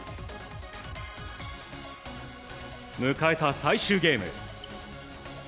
迎えた最終ゲーム。